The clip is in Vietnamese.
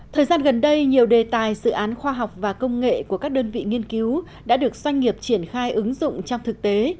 thời gian gần đây nhiều đề tài sự án khoa học và công nghệ của các đơn vị nghiên cứu đã được doanh nghiệp triển khai ứng dụng trong thực tế